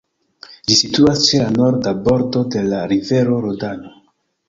Ĝi situas ĉe la norda bordo de la rivero Rodano.